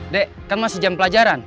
dek kan masih jam pelajaran